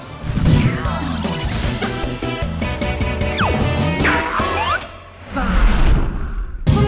ทีมที่ชนะคือทีมมีการใช้สิทธิ์ยกกำลังซากเกิดขึ้นแล้ว